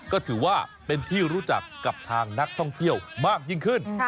ก็ถือว่าเป็นที่รู้จักกับทางนักท่องเที่ยวมากยิ่งขึ้น